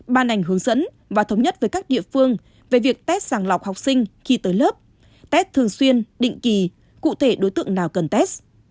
ban hành hướng dẫn và thống nhất với các địa phương về việc test sàng lọc học sinh khi tới lớp test thường xuyên định kỳ cụ thể đối tượng nào cần test